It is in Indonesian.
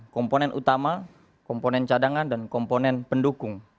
komponen utama komponen cadangan dan komponen pendukung